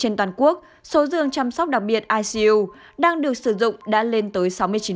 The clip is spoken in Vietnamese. trên toàn quốc số giường chăm sóc đặc biệt icu đang được sử dụng đã lên tới sáu mươi chín